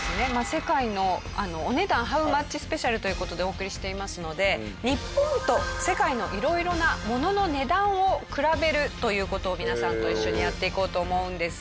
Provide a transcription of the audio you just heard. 世界のお値段ハウマッチスペシャルという事でお送りしていますので日本と世界の色々な物の値段を比べるという事を皆さんと一緒にやっていこうと思うんです。